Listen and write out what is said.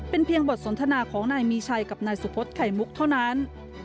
เป็นเพียงบทสนทนาของนายมีชัยกับนายสุพธิ์ไข่มุกเท่านั้น